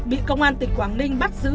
bị công an tỉnh quảng ninh bắt giữ